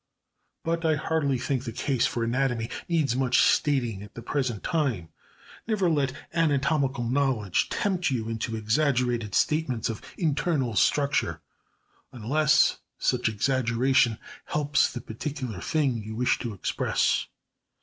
But I hardly think the case for anatomy needs much stating at the present time. Never let anatomical knowledge tempt you into exaggerated statements of internal structure, unless such exaggeration helps the particular thing you wish to express.